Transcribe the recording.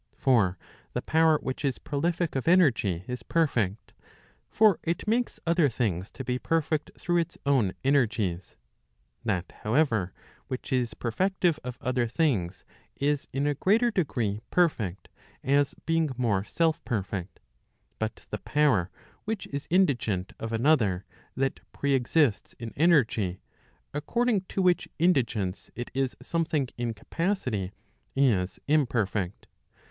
For the power which is prolific of energy is perfect. For it makes other things to be perfect through its own energies. That, however, which is perfective of other things is in a greater degree perfect, as being more self perfect. But the power which is indigent of another that pre exists in energy, according to which indigence it is something in capacity, is imperfect.